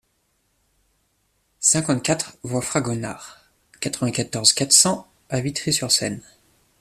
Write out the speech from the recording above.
cinquante-quatre voie Fragonard, quatre-vingt-quatorze, quatre cents à Vitry-sur-Seine